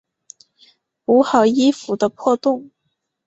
补好衣服的破洞